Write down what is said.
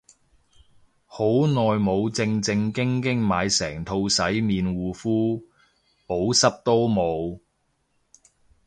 好耐冇正正經經買成套洗面護膚，補濕都冇